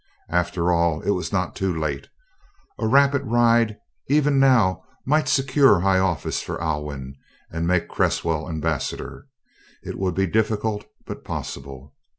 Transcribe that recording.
After all, it was not too late; a rapid ride even now might secure high office for Alwyn and make Cresswell ambassador. It would be difficult but possible.